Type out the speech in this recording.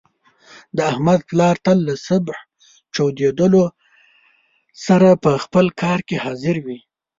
د احمد پلار تل له صبح چودېدلو سره په خپل کار کې حاضر وي.